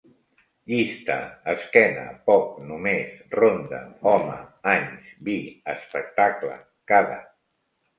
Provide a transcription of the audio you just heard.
Llista: esquena, poc, només, ronda, home, anys, vi, espectacle, cada